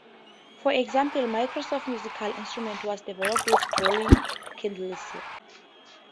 For example, Microsoft Musical Instruments was developed with Dorling Kindersley.